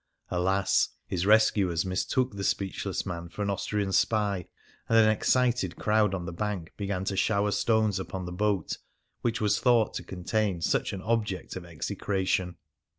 Alas ! his rescuers mistook the speechless man for an Austrian spy, and an excited crowd on the bank began to shower stones upon the boat which was thought to contain such an object of exe cration.